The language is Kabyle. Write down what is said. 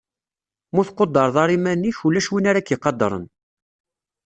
Ma ur tqudreḍ ara iman-ik, ulac win ara k-iqadren.